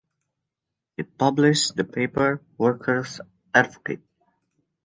It published the paper "Workers Advocate".